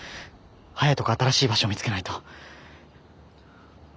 早いとこ新しい場所を見つけないと。